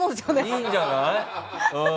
いいんじゃない？